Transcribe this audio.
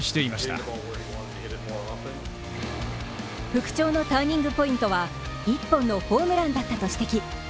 復調のターニングポイントは１本のホームランだったと指摘。